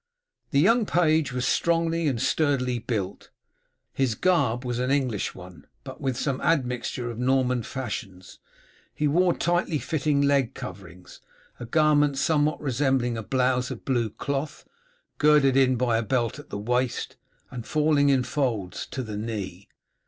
The young page was strongly and sturdily built. His garb was an English one, but with some admixture of Norman fashions. He wore tightly fitting leg coverings, a garment somewhat resembling a blouse of blue cloth girded in by a belt at the waist, and falling in folds to the knee.